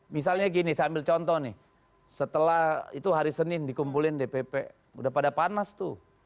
misalnya gini saya ambil contoh nih setelah itu hari senin dikumpulin dpp udah pada panas tuh